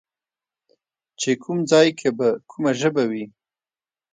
چې کوم ځای کې به کومه ژبه وي